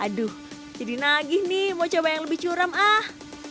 aduh jadi nagih nih mau coba yang lebih curam ah